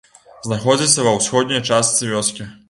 Знаходзіцца ва ўсходняй частцы вёскі.